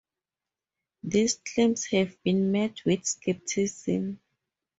These claims have been met with skepticism.